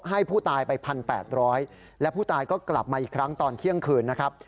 ให้ผู้ตายไป๑๘๐๐และผู้ตายก็กลับมาอีกครั้งตอนเที่ยงคืนนะครับ